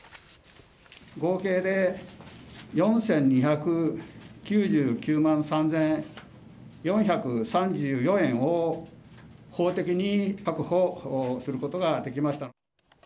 合計で４２９９万３４３４円を法的に確保することができました。